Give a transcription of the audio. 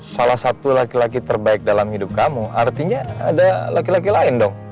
salah satu laki laki terbaik dalam hidup kamu artinya ada laki laki lain dong